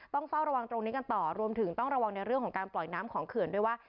ต้องเฝ้าระวังตรงนี้กันต่อรวมถึงต้องระวังในเรื่องของการปล่อยน้ำของเขื่อนด้วยว่า